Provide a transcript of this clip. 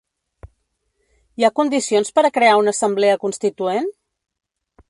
Hi ha condicions per a crear una assemblea constituent?